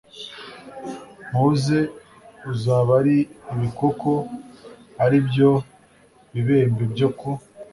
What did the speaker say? muze uzaba ari ibikoko ari byo bibembe byo ku